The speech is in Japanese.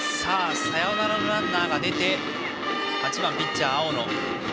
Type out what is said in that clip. サヨナラのランナーが出て８番ピッチャーの青野。